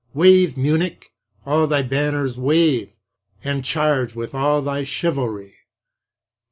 Wave, Munich! all thy banners wave, And charge with all thy chivalry!